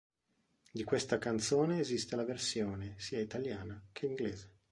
Di questa canzone esiste la versione sia italiana che inglese.